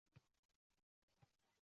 hayron qolasan kishi.